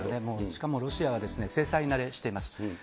もうしかもロシアは制裁慣れしています。